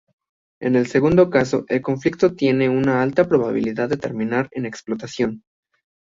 En el segundo caso el conflicto tiene una alta probabilidad de terminar en explotación.